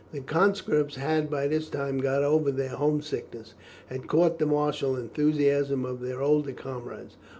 The conscripts had by this time got over their home sickness, and had caught the martial enthusiasm of their older comrades.